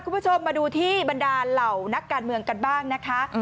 คุณผู้ชมมาดูที่บรรดาเหล่านักการเมืองกันบ้างนะคะ